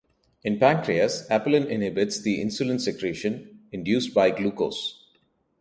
In pancreas, apelin inhibits the insulin secretion induced by glucose.